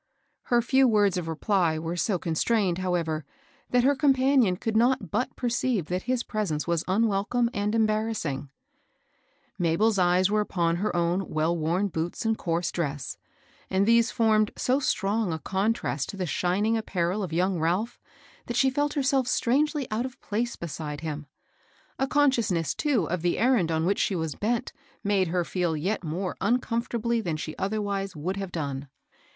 Her few words of reply were so constrained, however, that her companion could not but perceive that his presence was unwelcome and embarrassing. Mabel's eyes were upon her own well wom boots and coarse dress, and these formed so strong a contrast to the shining apparel of young Ralph that she felt herself strangely out of place beside him. A consciousness, too, of the errand on which she was bent made her feel yet more uncomfortably than she otherwise would have done.